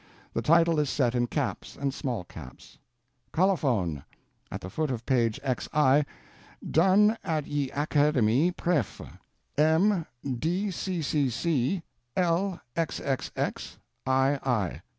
The title is set in caps and small caps. COLOPHON: at the foot of p. xi: Done Att Ye Academie Preffe; M DCCC LXXX II.